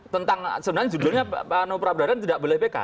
tentang sebenarnya judulnya pak no pradaran tidak boleh pk